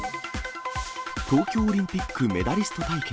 東京オリンピックメダリスト体験。